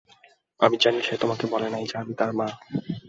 আমি জানি সে তোমাকে বলে নাই যে আমি তার মা।